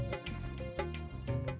mas rangga mau bantu